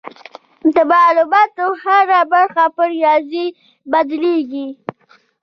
د معلوماتو هره برخه په ریاضي بدلېږي.